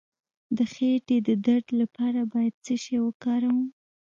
د خیټې د درد لپاره باید څه شی وکاروم؟